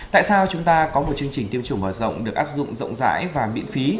tại sao chúng ta có một chương trình tiêm chủng mở rộng được áp dụng rộng rãi và miễn phí